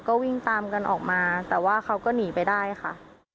ก็วิ่งตามกันออกมาแต่ว่าเขาก็หนีไปได้ค่ะ